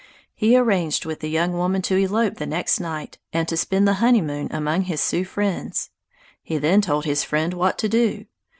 He arranged with the young woman to elope the next night and to spend the honeymoon among his Sioux friends. He then told his friend what to do.